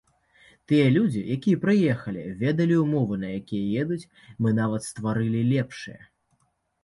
Тыя людзі, якія прыехалі, ведалі ўмовы, на якія едуць, мы нават стварылі лепшыя.